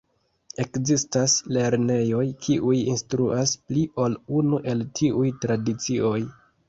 Ekzistas lernejoj kiuj instruas pli ol unu el tiuj tradicioj.